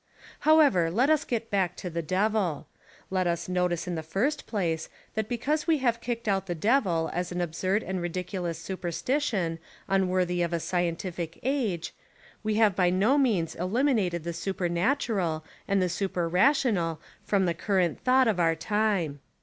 However, let us get back to the Devil. Let us notice in the first place that because we have kicked out the Devil as an absurd and ridiculous superstition, unworthy of a scientific 46 The Devil and the Deep Sea age, we have by no means eliminated the su per natural and the super rational from the cur rent thought of our time.